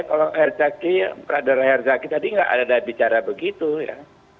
kalau hercaki prader hercaki tadi enggak ada bicara begitu ya